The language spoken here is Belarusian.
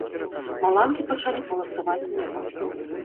Маланкі пачалі паласаваць неба.